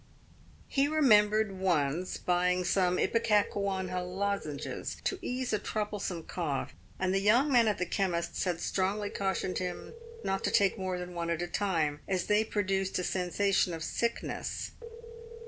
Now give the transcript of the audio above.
He remembered once buying some ipecacuanha lozenges to ease a troublesome cough, and the young man at the chemist's had strongly cautioned him not to take more than one at a time as they produced a sensation of sickness.